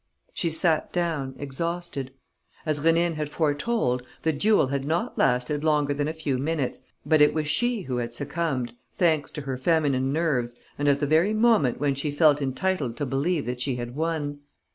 She sat down, exhausted. As Rénine had foretold, the duel had not lasted longer than a few minutes but it was she who had succumbed, thanks to her feminine nerves and at the very moment when she felt entitled to believe that she had won.